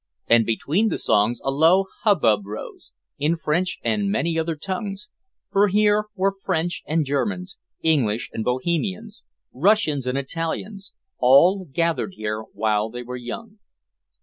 And between the songs a low hubbub rose, in French and many other tongues, for here were French and Germans, English and Bohemians, Russians and Italians, all gathered here while they were young.